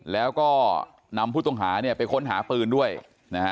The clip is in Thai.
แล้วก็นำผู้ต้องหาเนี่ยไปค้นหาปืนด้วยนะฮะ